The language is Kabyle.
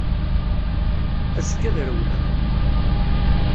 Azekka ad rewleɣ.